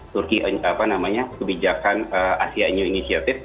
turkiyaya apa namanya kebijakan asia new initiative